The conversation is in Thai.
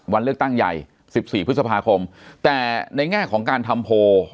วันเลือกตั้งใหญ่๑๔พฤษภาคมแต่ในแง่ของการทำโพล